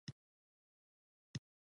د پښتنو په کلتور کې د بد عمل بدله دوزخ دی.